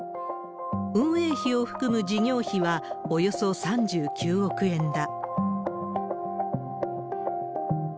運営費を含む事業費はおよそ３９億円だ。